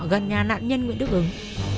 gần nhà nạn nhân nguyễn đức ứng